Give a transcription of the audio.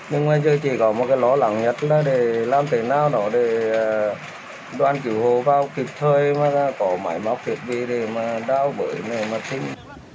nhưng mà giờ chỉ có một cái lỗ lặng nhất đó để làm thế nào đó để đoàn cửu hồ vào kịp thời mà có máy móc kịp về để mà đau bụi này mà thích